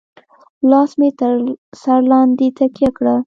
لاس مې تر سر لاندې تکيه کړه.